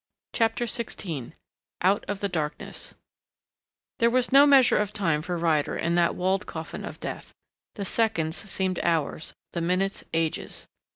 CHAPTER XVI OUT OF THE DARKNESS There was no measure of time for Ryder in that walled coffin of death. The seconds seemed hours, the minutes ages.